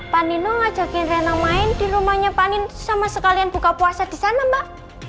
pak nino ngajakin rena main di rumahnya panin sama sekalian buka puasa di sana mbak